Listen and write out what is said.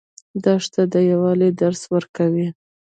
دښته د یووالي درس ورکوي.